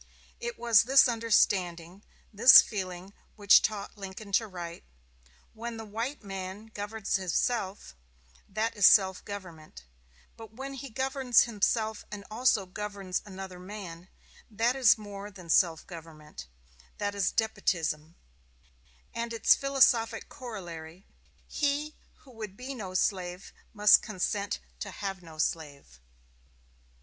It was this understanding, this feeling, which taught Lincoln to write: "When the white man governs himself, that is self government; but when he governs himself and also governs another man, that is more than self government that is despotism"; and its philosophic corollary: "He who would be no slave must consent to have no slave."